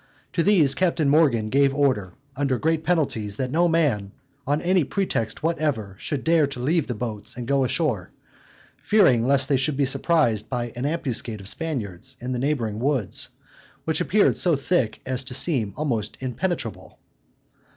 To these Captain Morgan gave order, under great penalties, that no man, on any pretext whatever, should dare to leave the boats, and go ashore; fearing lest they should be surprised by an ambuscade of Spaniards in the neighboring woods, which appeared so thick as to seem almost impenetrable.